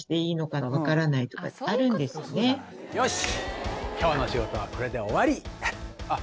よし！